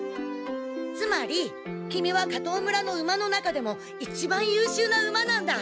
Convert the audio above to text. つまりキミは加藤村の馬の中でもいちばん優秀な馬なんだ。